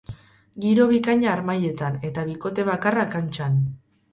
Giro bikaina harmailetan eta bikote bakarra kantxan.